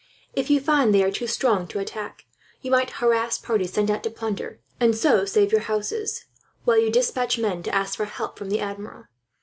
"If you find they are too strong to attack, you might harass parties sent out to plunder, and so save your houses, while you despatch men to ask for help from the Admiral.